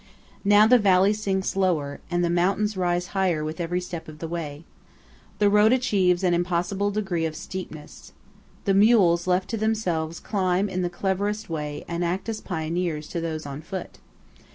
Now the valley sinks lower, and the mountains rise higher with every step of the way. The road achieves an impossible degree of steepness. The mules, left to themselves, climb in the cleverest way, and act as pioneers to those on foot.